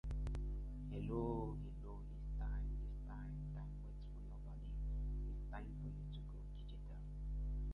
Under Nephi's leadership the Nephite civilization prospered despite occasional war with the Lamanites.